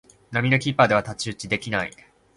並みのキーパーでは太刀打ちできない